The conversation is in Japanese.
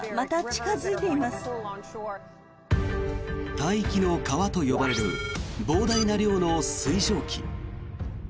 大気の川と呼ばれる膨大な量の水蒸気。